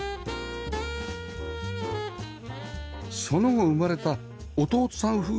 その後生まれた弟さん